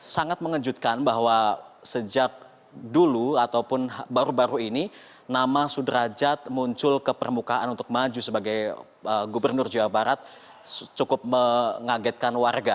sangat mengejutkan bahwa sejak dulu ataupun baru baru ini nama sudrajat muncul ke permukaan untuk maju sebagai gubernur jawa barat cukup mengagetkan warga